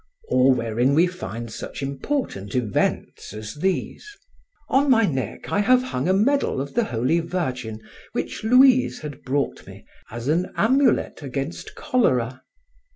Or wherein we find such important events as these: On my neck I have hung a medal of the Holy Virgin which Louise had brought me, as an amulet against cholera.